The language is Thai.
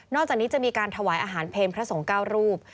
จากนี้จะมีการถวายอาหารเพลพระสงฆ์๙รูป